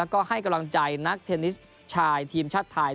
ก็ให้กำลังใจนักเทนนิสชายทีมชาติไทย